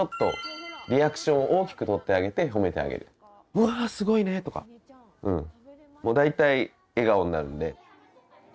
「うわすごいね！」とか大体笑顔になるんで。